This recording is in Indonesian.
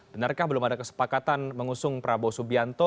benarkah belum ada kesepakatan mengusung prabowo subianto